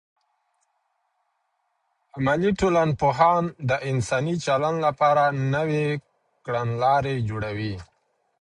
عملي ټولنپوهان د انساني چلند لپاره نوې کړنلارې جوړوي.